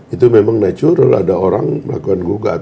itu memang natural ada orang melakukan gugat